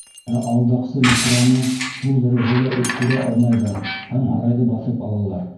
Ә алдаҡсы Мисраны шул дәрәжәлә үк күрә алмайҙар һәм һарайҙы баҫып алалар.